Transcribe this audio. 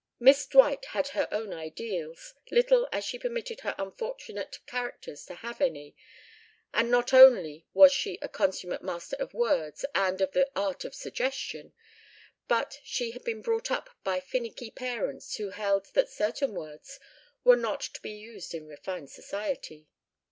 Miss Dwight had her own ideals, little as she permitted her unfortunate characters to have any, and not only was she a consummate master of words and of the art of suggestion, but she had been brought up by finicky parents who held that certain words were not to be used in refined society.